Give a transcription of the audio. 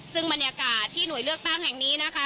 ซึ่งบรรยากาศที่หน่วยเลือกตั้งแห่งนี้นะคะ